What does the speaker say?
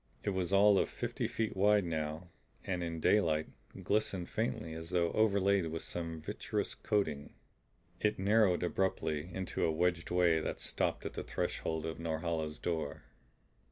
It was all of fifty feet wide and now, in daylight, glistened faintly as though overlaid with some vitreous coating. It narrowed abruptly into a wedged way that stopped at the threshold of Norhala's door.